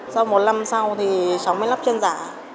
sau một năm sau thì cháu mới lắp chân giả